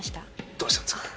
どうしたんですか？